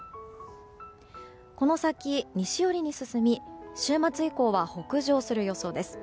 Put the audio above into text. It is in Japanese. この先、西寄りに進み週末以降は北上する予想です。